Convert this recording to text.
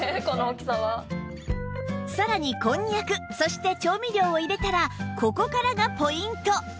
さらにこんにゃくそして調味料を入れたらここからがポイント！